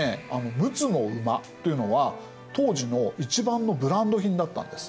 陸奥の馬っていうのは当時の一番のブランド品だったんです。